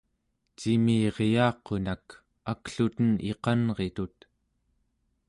cimiriyaqunak, akluten iqanritut